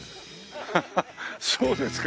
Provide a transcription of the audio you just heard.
ハハッそうですか。